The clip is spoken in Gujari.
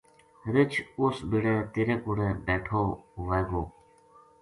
رچھ اُس بِڑے تیرے کوڑے بیٹھو ھووے گو